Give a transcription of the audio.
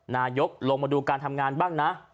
นายกลงมาดูการทำงานบ้างนะ